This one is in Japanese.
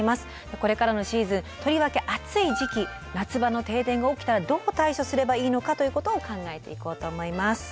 これからのシーズンとりわけ暑い時期「夏場の停電」が起きたらどう対処すればいいのかということを考えていこうと思います。